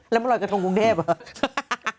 แล้วมันลอยกระทงกรุงเทพเหรอ